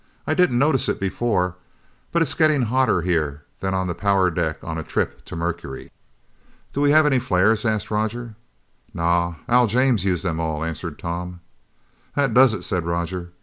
"I didn't notice it before, but it's getting hotter here than on the power deck on a trip to Mercury!" "Do we have any flares?" asked Roger. "Naw. Al James used them all," answered Tom. "That does it," said Roger.